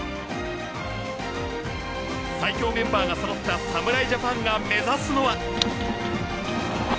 最強メンバーがそろった侍ジャパンが目指すのは。